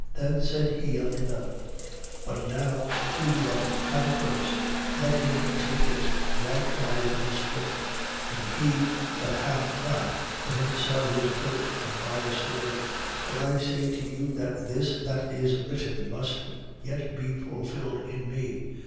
Then said he unto them: But now he that hath a purse, let him take it, and likewise a scrip: and he that hath not, let him sell his coat and buy a sword. 22:37. For I say to you that this that is written must yet be fulfilled in me.